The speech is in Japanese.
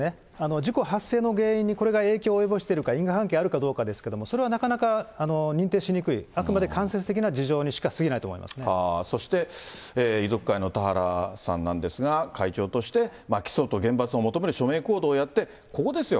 事故発生の原因にこれが影響を及ぼしているか、因果関係あるかどうか、それはなかなか認定しにくい、あくまで間接的な事情にしかすぎなそして、遺族会の田原さんなんですが、会長として起訴と厳罰を求める署名行動をやって、ここですよ。